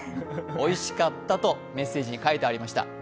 おいしかったとメッセージに書いてありました。